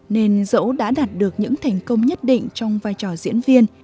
nên dẫu đã đạt được những thành công nhất định trong vai trò diễn viên